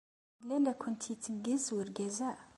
Yella la kent-yetteggez urgaz-a?